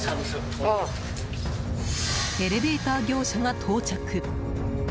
エレベーター業者が到着。